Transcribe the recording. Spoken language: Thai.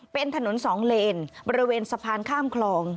เป็นถนนสองเลนบริเวณสะพานข้ามคลอง